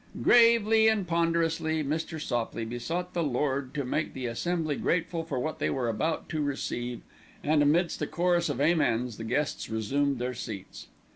Gravely and ponderously Mr. Sopley besought the Lord to make the assembly grateful for what they were about to receive, and amidst a chorus of "amens" the guests resumed their seats.